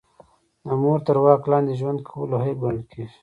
د مور تر واک لاندې ژوند کول عیب ګڼل کیږي